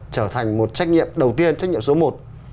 trở thành một trách nhiệm đầu tiên trách nhiệm số một